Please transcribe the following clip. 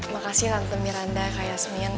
makasih tante miranda kak yasmin